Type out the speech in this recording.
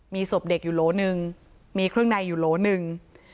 มีศพเด็กอยู่โหลหนึ่งมีเครื่องในอยู่โหลหนึ่ง